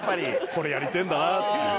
これやりてえんだなっていう。